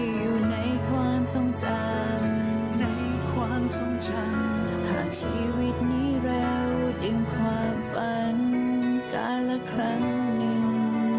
อยู่ในความทรงจำในความทรงจำหากชีวิตนี้เราดึงความฝันการละครั้งหนึ่ง